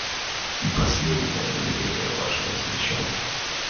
И последнее, но не менее важное замечание.